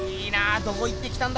どこ行ってきたんだっぺ。